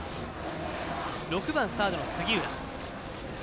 ６番サードの杉浦。